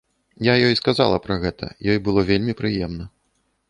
Я ёй сказала пра гэта, ёй было вельмі прыемна.